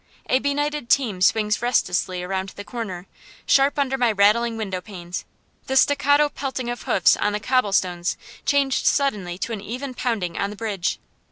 A benighted team swings recklessly around the corner, sharp under my rattling window panes, the staccato pelting of hoofs on the cobblestones changed suddenly to an even pounding on the bridge.